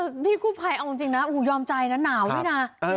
ใช่เอาจริงนะยอมใจนะหนาวนี่นะ